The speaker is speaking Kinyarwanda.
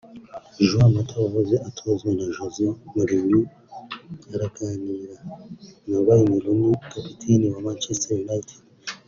Juan Mata wahoze atozwa na Jose Mourinho araganira na Wayne Rooney kapiteni wa Manchetser United